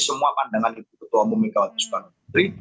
semua pandangan ibu ketua umum megawati soekarno putri